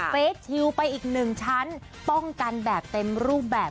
เฟสชิลไปอีกหนึ่งชั้นป้องกันแบบเต็มรูปแบบ